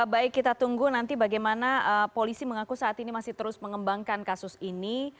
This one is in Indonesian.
baik kita tunggu nanti bagaimana polisi mengaku saat ini masih terus mengembangkan kasus ini